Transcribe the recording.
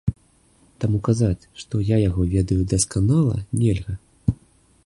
Таму казаць, што я яго ведаю дасканала, нельга.